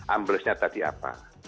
amblesnya tadi apa